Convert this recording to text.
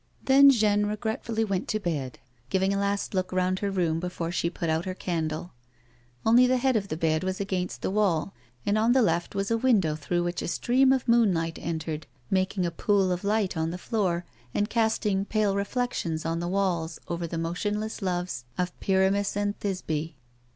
Then Jeanne regretfully went to bed, giving a last look round her room before she put out her candle. Only the head of the bed was against the wall, and on the left was a window through which a stream of moonlight entered, mak ing a pool of light on the floor, and casting pale reflections on the walls over the motionless loves of Pyramis and Thisbe.